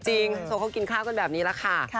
จริงทุกคนกินข้าวก็เป็นแบบนี้แหละค่ะ